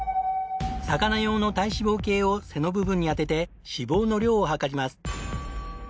魚用の体脂肪計を背の部分に当てて脂肪の量を量ります。